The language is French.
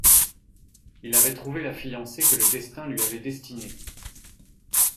Il avait trouvé la fiancée que le destin lui avait destinée.